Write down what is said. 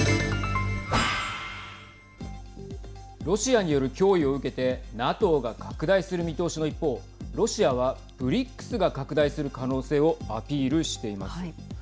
ロシアによる脅威を受けてＮＡＴＯが拡大する見通しの一方ロシアはＢＲＩＣＳが拡大する可能性をアピールしています。